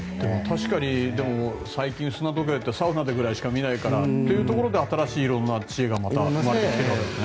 確かに最近、砂時計ってサウナでぐらいしか見ないから。というところで新しい色んな知恵がまた生まれてきているわけですね。